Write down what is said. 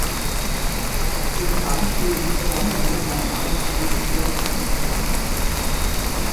Diese Fragen stehen insbesondere mit meinem Arbeitsbesuch in Kurdistan im Zusammenhang.